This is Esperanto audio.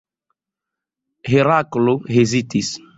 Heraklo hezitis.